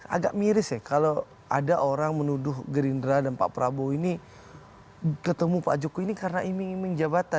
agak miris ya kalau ada orang menuduh gerindra dan pak prabowo ini ketemu pak jokowi ini karena iming iming jabatan